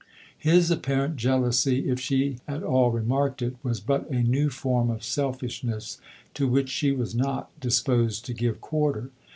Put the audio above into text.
His apparent jealousy, if she at all remarked it, was but a new form of sel fishness, to which she was not disposed to give quarter.